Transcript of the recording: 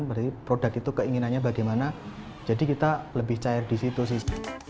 berarti produk itu keinginannya bagaimana jadi kita lebih cair di situ sih